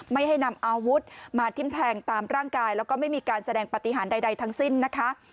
ไม่ให้นำอาวุธมาทิ้มแทงตามร่างกายแล้วก็ไม่มีการแสดงปฏิหารใดทั้งสิ้นนะคะ